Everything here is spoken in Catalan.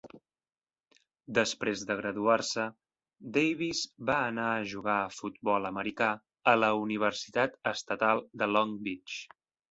Després de graduar-se, Davis va anar a jugar a futbol americà a la Universitat Estatal de Long Beach.